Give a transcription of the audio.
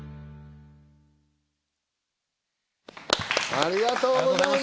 ありがとうございます。